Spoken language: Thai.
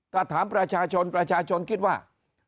ถ้าถามประชาชนประชาชนคิดว่า